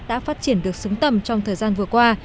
đã phát triển được xứng tầm trong thời gian vừa qua